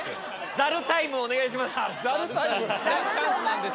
ザルタイムお願いします。